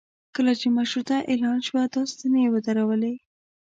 کله چې مشروطه اعلان شوه دا ستنې یې ودرولې.